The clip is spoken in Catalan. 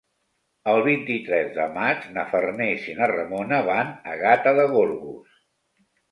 El vint-i-tres de maig na Farners i na Ramona van a Gata de Gorgos.